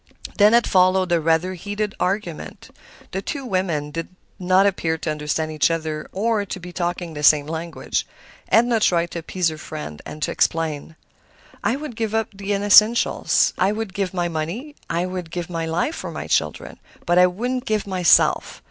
Then had followed a rather heated argument; the two women did not appear to understand each other or to be talking the same language. Edna tried to appease her friend, to explain. "I would give up the unessential; I would give my money, I would give my life for my children; but I wouldn't give myself.